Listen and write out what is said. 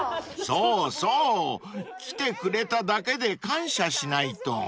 ［そうそう来てくれただけで感謝しないと］